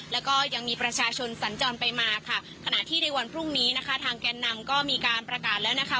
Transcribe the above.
แล้วก็ยังมีประชาชนสัญจรไปมาค่ะขณะที่ในวันพรุ่งนี้นะคะทางแกนนำก็มีการประกาศแล้วนะคะ